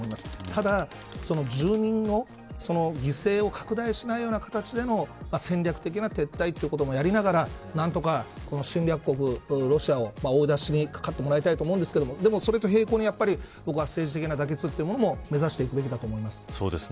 ただ、住民の犠牲を拡大しないような形での戦略的な撤退ということもやりながら何とか侵略国ロシアを追い出しにかかってもらいたいと思うんですがでも、それと並行に政治的な妥結を目指していくべきだと思います。